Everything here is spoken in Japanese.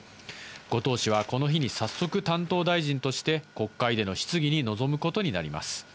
後藤氏は、この日に早速担当大臣として国会での質疑に臨むことになります。